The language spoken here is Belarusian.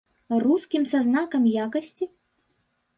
Рускім са знакам якасці?